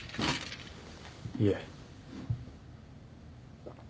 いえ。